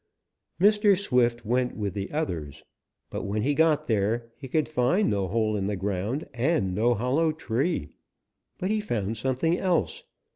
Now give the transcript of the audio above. Mr. Swift went with the others. But when he got there, he could find no hole in the ground and no hollow tree. But he found something else.